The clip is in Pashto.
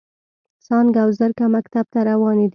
څانګه او زرکه مکتب ته روانې دي.